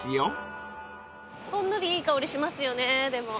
ほんのりいい香りしますよねでも。